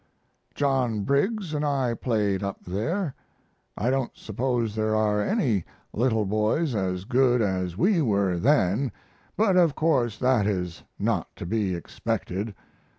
John Briggs and I played up there. I don't suppose there are any little boys as good as we were then, but of course that is not to be expected.